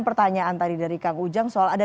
pertanyaan tadi dari kang ujang soal ada